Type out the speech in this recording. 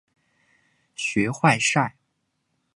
学坏晒！